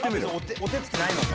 お手つきないのか。